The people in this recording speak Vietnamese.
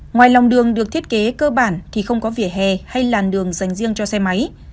ngoài lòng đường được thiết kế cơ bản thì không có vỉa hè hay làn đường dành riêng cho xe máy